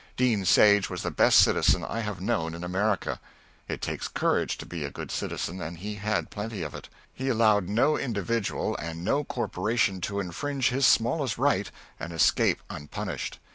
Dean Sage was the best citizen I have known in America. It takes courage to be a good citizen, and he had plenty of it. He allowed no individual and no corporation to infringe his smallest right and escape unpunished.